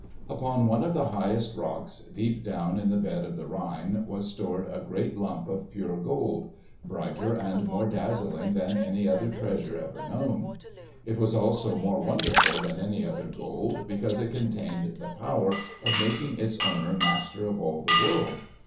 Upon one of the highest rocks, deep down in the bed of the Rhine, was stored a great lump of pure gold, brighter and more dazzling than any other treasure ever known. It was also more wonderful than any other gold, because it contained the power of making its owner master of all the world.